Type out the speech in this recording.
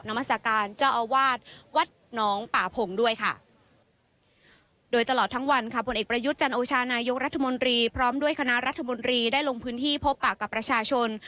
นายกรรภมลีก็ใช้เวลาก่อนการ